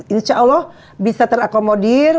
insya allah bisa terakomodir